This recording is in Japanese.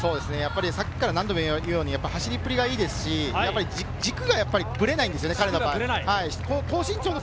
さっきから何度も言うように走りっぷりがいいですし、軸がぶれないんですよね、彼の場合。